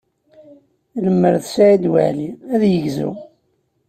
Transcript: Lemmer d Saɛid Waɛli, ad yegzu.